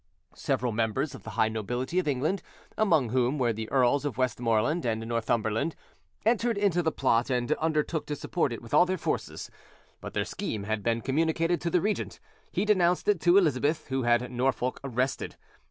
Several members of the high nobility of England, among whom were the Earls of Westmoreland and Northumberland, entered into the plot and under, took to support it with all their forces. But their scheme had been communicated to the regent: he denounced it to Elizabeth, who had Norfolk arrested.